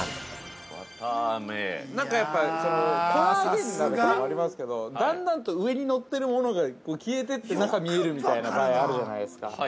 なんかやっぱりコラーゲン鍋とかありますけど、だんだんと上に乗ってるものが消えていって中見えるみたいな映えあるじゃないですか。